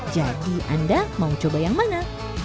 jadi anda mau coba yang mana